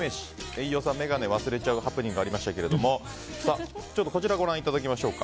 飯尾さんが眼鏡を忘れちゃうハプニングがありましたがこちら、ご覧いただきましょう。